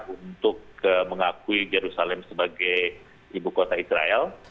untuk mengakui jerusalem sebagai ibu kota israel